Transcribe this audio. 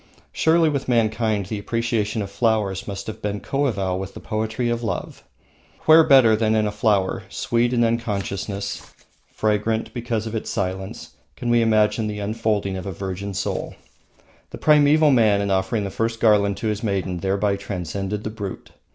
Surely with mankind the appreciation of flowers must have been coeval with the poetry of love. Where better than in a flower, sweet in its unconsciousness, fragrant because of its silence, can we image the unfolding of a virgin soul? The primeval man in offering the first garland to his maiden thereby transcended the brute.